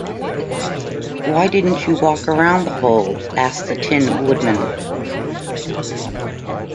Why didn't you walk around the hole? asked the Tin Woodman.